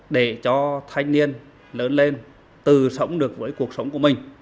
để cho thanh niên lớn lên từ sống được với cuộc sống của mình